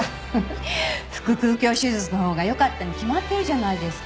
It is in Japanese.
腹腔鏡手術のほうが良かったに決まってるじゃないですか。